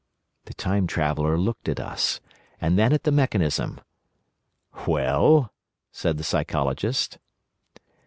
The Time Traveller looked at us, and then at the mechanism. "Well?" said the Psychologist.